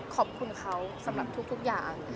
ขอบคุณเขาสำหรับทุกอย่าง